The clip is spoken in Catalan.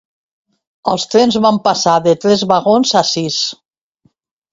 Els trens van passar de tres vagons a sis.